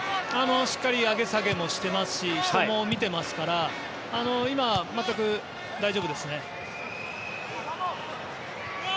しっかり上げ下げもしていますし人も見ていますから今、全く大丈夫ですね。